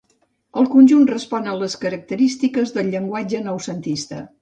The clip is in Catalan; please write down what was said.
En conjunt respon a les característiques del llenguatge noucentista.